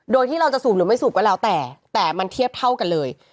โดยที่เราจะสูบหรือไม่สูบก็แล้วแต่แต่มันเทียบเท่ากันเลย